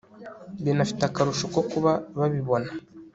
binafite akarusho ko kuba babibona